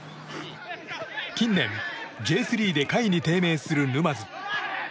近年、Ｊ３で下位に低迷する沼津。